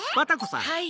・はい